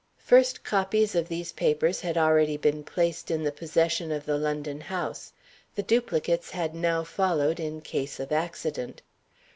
First copies of these papers had already been placed in the possession of the London house. The duplicates had now followed, in case of accident.